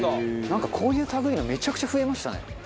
なんかこういう類いのめちゃくちゃ増えましたね。